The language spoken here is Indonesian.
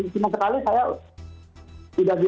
cuma sekali saya sudah biasa